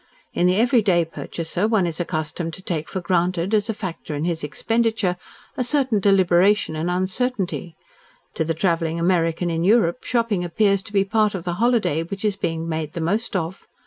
In the everyday purchaser one is accustomed to take for granted, as a factor in his expenditure, a certain deliberation and uncertainty; to the travelling American in Europe, shopping appears to be part of the holiday which is being made the most of.